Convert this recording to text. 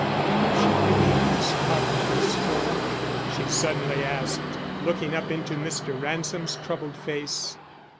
"Don't you believe this part of my story," she suddenly asked, looking up into Mr. Ransom's troubled face?